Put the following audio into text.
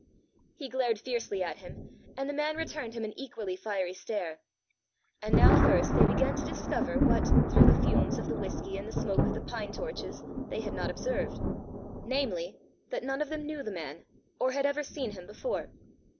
He glared fiercely at him, and the man returned him an equally fiery stare. And now first they began to discover what, through the fumes of the whisky and the smoke of the pine torches, they had not observed, namely, that none of them knew the man, or had ever seen him before.